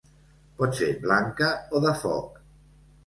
Pot ser blanca o de foc.